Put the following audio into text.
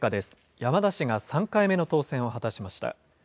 山田氏が３回目の当選を果たしました。